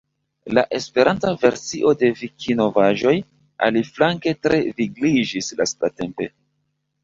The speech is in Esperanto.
La Esperanta versio de Vikinovaĵoj aliflanke tre vigliĝis lastatampe.